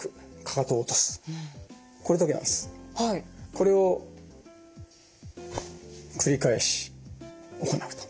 これを繰り返し行うと。